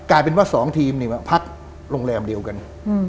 กลายเป็นว่าสองทีมนี่วะพักโรงแรมเดียวกันอืม